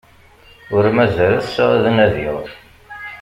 Ur mazal ass-a ad nadiɣ.